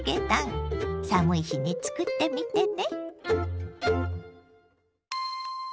寒い日につくってみてね！